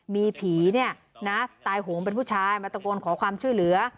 มีผีเนี่ยนะตายโหงเป็นผู้ชายมาตะโกนขอความช่วยเหลือ